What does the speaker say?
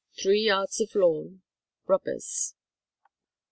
Three yards of lawn, rubbers.